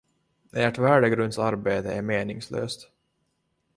Ert värdegrundsarbete är meningslöst.